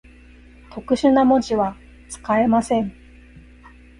特殊な文字は、使えません。